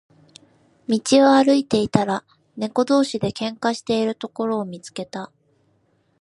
道を歩いていたら、猫同士で喧嘩をしているところを見つけた。